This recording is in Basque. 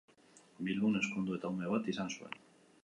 Bilbon ezkondu eta ume bat izan zuen.